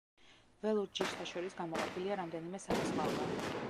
ველურ ჯიშთა შორის გამოყოფილია რამდენიმე სახესხვაობა.